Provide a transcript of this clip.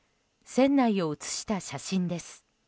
船内を写した写真です。